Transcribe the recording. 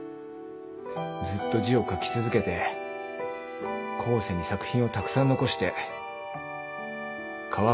ずっと字を書き続けて後世に作品をたくさん残して川藤の力になってやるんだ。